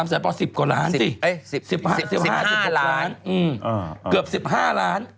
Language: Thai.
๓แสนปอนก๑๐กว่าล้านสิ๑๕ล้านเกือบ๑๕ล้าน